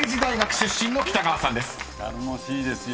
頼もしいですよ。